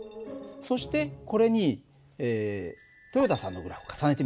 そしてこれに豊田さんのグラフを重ねてみよう。